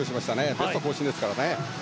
ベスト更新ですからね。